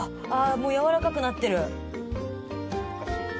もうやわらかくなってる。